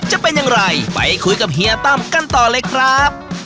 จะเป็นอย่างไรไปคุยกับเฮียตั้มกันต่อเลยครับ